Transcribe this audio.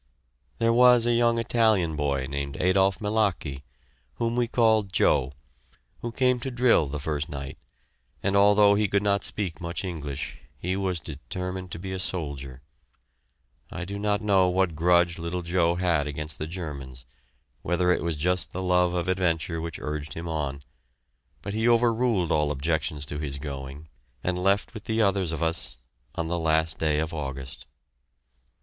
There was a young Italian boy named Adolph Milachi, whom we called "Joe," who came to drill the first night, and although he could not speak much English, he was determined to be a soldier. I do not know what grudge little Joe had against the Germans, whether it was just the love of adventure which urged him on, but he overruled all objections to his going and left with the others of us, on the last day of August.